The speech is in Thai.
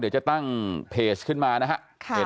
เดี๋ยวจะตั้งเพจขึ้นมานะครับ